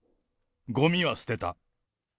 ごみは捨てた。